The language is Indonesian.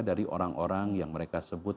dari orang orang yang mereka sebut